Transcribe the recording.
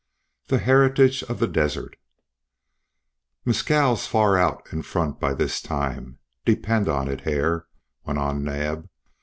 THE HERITAGE OF THE DESERT "MESCAL'S far out in front by this time. Depend on it, Hare," went on Naab.